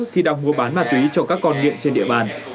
khi đang mua bán ma túy cho các con nghiện trên địa bàn